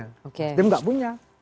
nasdem gak punya